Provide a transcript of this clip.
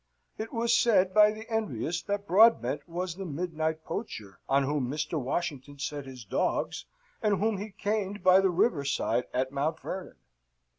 It was said by the envious that Broadbent was the midnight poacher on whom Mr. Washington set his dogs, and whom he caned by the river side at Mount Vernon.